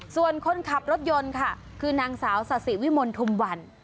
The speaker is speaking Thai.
ส่วนคนขับรถยนต์ค่ะคือนางสาวสาธิวิมลทุมวัน